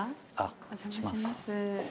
お邪魔します。